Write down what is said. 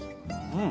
うん。